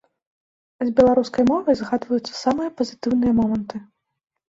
З беларускай мовай згадваюцца самыя пазітыўныя моманты.